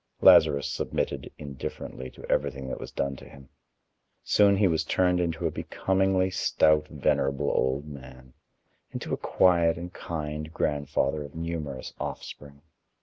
Lazarus submitted indifferently to everything that was done to him. Soon he was turned into a becomingly stout, venerable old man, into a quiet and kind grandfather of numerous offspring.